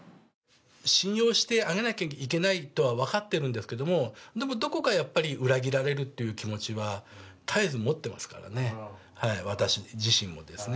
信用してあげなきゃいけないとは分かっているんですけど、でもどこかやっぱり、裏切られるという気持ちは絶えず持ってますからね、私自身。